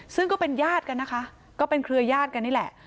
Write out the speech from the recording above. ซึ่งก็เป็นญาติกันนะคะก็เป็นเครือญาติกันนี่แหละ